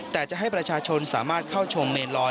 แต่จะให้ประชาชนสามารถเข้าชมเมนลอย